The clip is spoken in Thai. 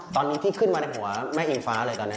ตอนนี้ที่ขึ้นมาในหัวแม่อิงฟ้าเลยตอนนี้